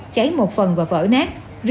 cháy một phần và vỡ nát